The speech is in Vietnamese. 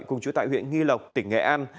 cùng trú tại huyện nghi lộc tỉnh nghệ an